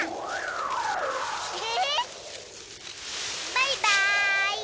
バイバーイ！